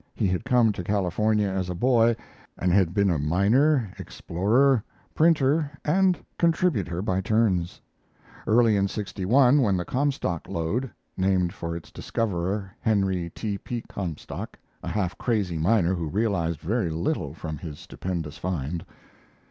He had come to California as a boy and had been a miner, explorer, printer, and contributor by turns. Early in '61, when the Comstock Lode [Named for its discoverer, Henry T. P. Comstock, a half crazy miner, who realized very little from his stupendous find.